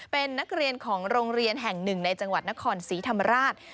เป็นนักเรียนของโรงเรียนแห่งหนึ่งในจังหวัดนครศรีธรรมราช